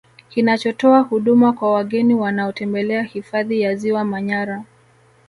Kinachotoa huduma kwa wageni wanaotembelea hifadhi ya Ziwa Manyara